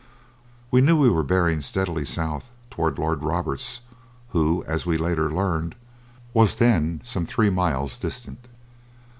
We knew we were bearing steadily south toward Lord Roberts, who as we later learned, was then some three miles distant.